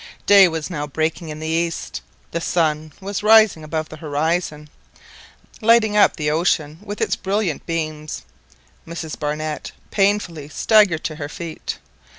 Day was now breaking in the east, the sun was rising above the horizon, lighting up the ocean with its brilliant beams, and Mrs Barnett painfully staggered to her feet.